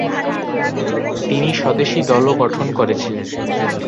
তিনি স্বদেশী দলও গঠন করেছিলেন।